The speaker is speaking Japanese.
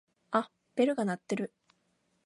あっベルが鳴ってる。